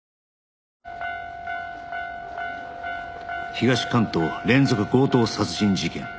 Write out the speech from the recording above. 東関東連続強盗殺人事件